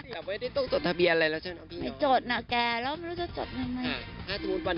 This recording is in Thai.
ถ้าไม่ต้องเรียกพี่การว่า